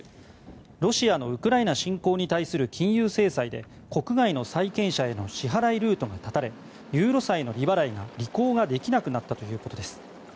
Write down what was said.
ロシアのウクライナ侵攻に対する金融制裁で国外の債権者への支払いルートが断たれユーロ債の利払いが履行ができなくなったということです。